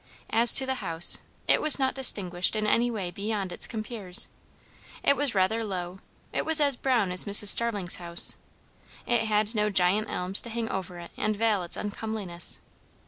As to the house, it was not distinguished in any way beyond its compeers. It was rather low; it was as brown as Mrs. Starling's house; it had no giant elms to hang over it and veil its uncomelinesses.